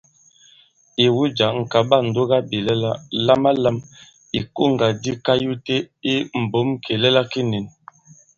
Ìwu jǎ, mɛ̀ kàɓa ǹdugabìlɛla, lamalam ìkoŋgà di kayute i mbǒm kìlɛla ki ndê.